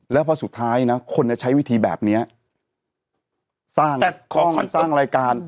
แล้วพอสุดท้ายนะคนจะใช้วิธีแบบนี้สร้างรายการ